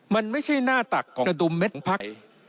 มันไม่ใช่หน้าตักของกระดุมเม็ดของภักดิ์ไทย